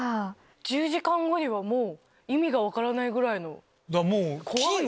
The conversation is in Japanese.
１０時間後には意味が分からないぐらいの。